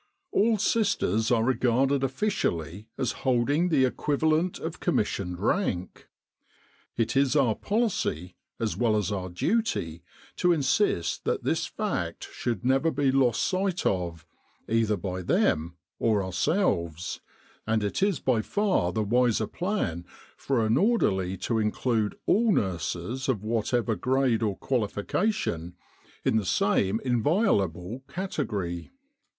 All sisters are regarded officially as holding the equivalent of commissioned rank. It is our policy, as well as our duty, to insist that this fact should never be lost sight of, either by them or our selves; and it is by far the wiser plan for an orderly to include all nurses of whatever grade or qualifica tion, in the same inviolable category.